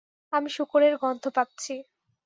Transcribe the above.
আমি শুকরের গন্ধ পাচ্ছি।